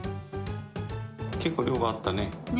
結構、量があったね。ね。